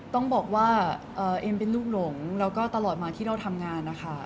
ต้องบอกว่าเอ็มเป็นลูกหลงแล้วก็ตลอดมาที่เราทำงานนะคะ